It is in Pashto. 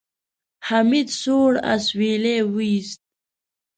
حميد سوړ اسويلی وېست.